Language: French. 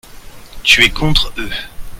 Tu es contre eux.